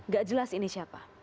gak jelas ini siapa